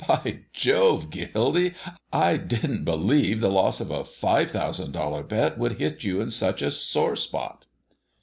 "By Jove! Gildy, I didn't believe the loss of a five thousand dollar bet would hit you in such a sore spot."